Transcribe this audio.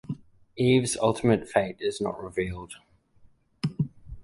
Eve's ultimate fate is not revealed.